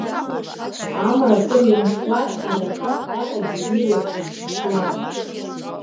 Амра акыр ианшлак, ари ахаҳә ҟьаҟьагьы ирласны ишуан.